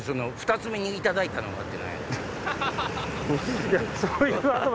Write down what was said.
「２つ目にいただいたのは」って。